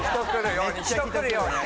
人来るように。